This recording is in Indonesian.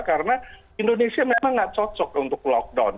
karena indonesia memang tidak cocok untuk lockdown